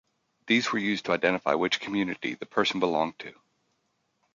These were used to identify which community the person belonged to.